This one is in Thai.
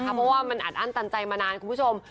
เพราะว่ามันอัดอั้นตันใจมานานคุณผู้ชม